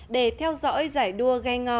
để theo dõi giải đua ghe ngò